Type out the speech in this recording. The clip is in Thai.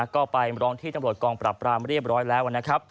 ก็ไปร้องที่ตำรวจกองปรับปรามเรียบร้อยแล้วนะครับ